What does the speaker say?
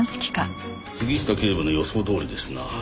杉下警部の予想どおりですな。